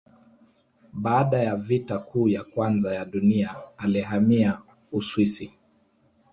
Baada ya Vita Kuu ya Kwanza ya Dunia alihamia Uswisi.